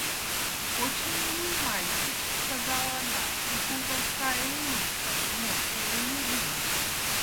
Очень милый мальчик, — сказала она, и плутовская улыбка сморщила ее губы.